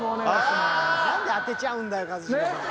何で当てちゃうんだよ一茂さん。